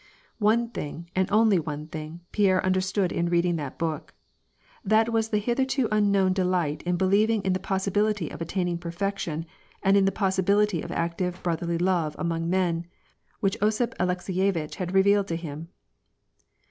One thing, and only one thing, Pierre understood in reading that book : that was the hitherto unknown delight in believing in the possibility of attaining perfection, and in the possibility of active brotherly love among men, which Osip Alekseyevitch had revealed to him.